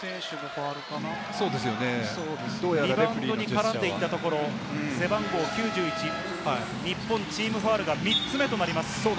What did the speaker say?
リバウンドに絡んでいったところ、背番号９１、日本、チームファウルが３つ目となります。